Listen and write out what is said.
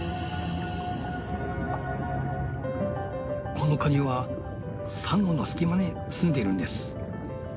このカニはサンゴの隙間に住んでいるんです。